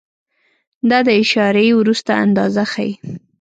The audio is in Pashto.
دا د اعشاریې وروسته اندازه ښیي.